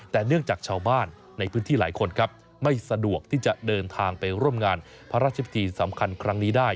แต่เนื่องจากชาวบ้านในพื้นที่หลายคนครับไม่สะดวกที่จะเดินทางไปร่วมงานพระราชพิธีสำคัญครั้งนี้ได้